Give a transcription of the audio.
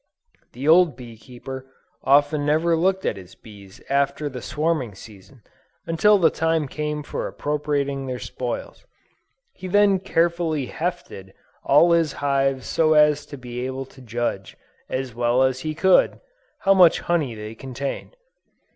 The old bee keeper often never looked at his bees after the swarming season, until the time came for appropriating their spoils. He then carefully "hefted" all his hives so as to be able to judge as well as he could, how much honey they contained.